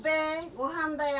ごはんだよ。